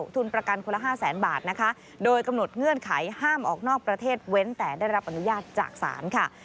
ทุนประกันคนละห้าแสนบาทนะคะโดยกำหนดเงื่อนไขห้ามออกนอกประเทศเว้นแต่ได้รับอนุญาตจากศาลค่ะ